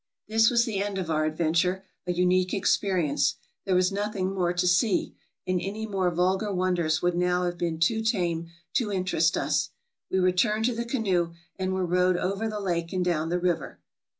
This was the end of our adventure — a unique experience. There was nothing more to see, and any more vulgar won ders would now have been too tame to interest us. We re turned to the canoe, and were rowed over the lake and down the river.